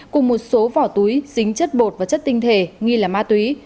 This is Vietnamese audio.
cùng một số vỏ túi dính chất bột và chất tinh thể nghi là ma túy